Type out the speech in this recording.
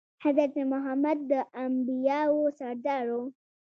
حضرت محمد د انبياوو سردار وو.